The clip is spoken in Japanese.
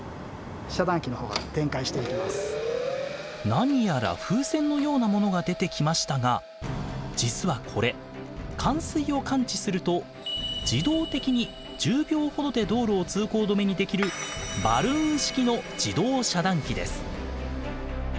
何やら風船のようなものが出てきましたが実はこれ冠水を感知すると自動的に１０秒ほどで道路を通行止めにできるバルーン式の自動遮断機です。